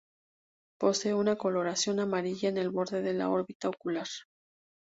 Posee una coloración amarilla en el borde de la órbita ocular.